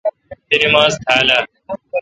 تی نماز تھال اہ؟